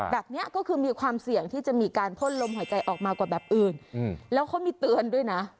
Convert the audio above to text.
แบบนี้ก็คือมีความเสี่ยงที่จะมีการพ่นลมหายใจออกมากว่าแบบอื่นแล้วเขามีเตือนด้วยนะ